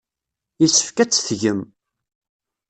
Yessefk ad tt-tgem.